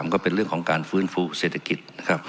ก็เป็นเรื่องของการฟื้นฟูเศรษฐกิจนะครับ